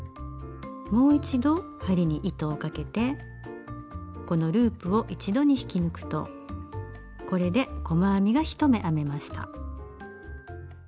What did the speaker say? もう一度針に糸をかけてこのループを一度に引き抜くとこれで細編みが１目編めました。